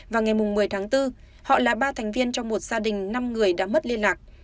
vào ngày một mươi tháng bốn họ là ba thành viên trong một gia đình năm người đã mất liên lạc